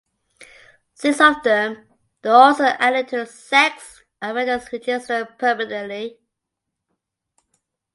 Six of them were also added to the sex offenders register permanently.